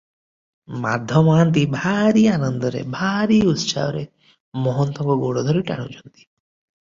ମାଧ ମହାନ୍ତି ଭାରି ଆନନ୍ଦରେ, ଭାରି ଉତ୍ସାହରେ ମହନ୍ତଙ୍କ ଗୋଡ଼ ଧରି ଟାଣୁଛନ୍ତି ।